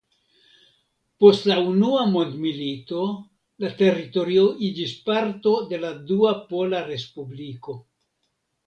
Post la Unua Mondmilito la teritorio iĝis parto de la Dua Pola Respubliko.